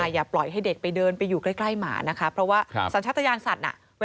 อย่าปล่อยให้เด็กไปเดินไปอยู่ใกล้หมานะครับ